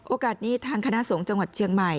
โอกาสนี้ทางคณะสงฆ์จังหวัดเชียงใหม่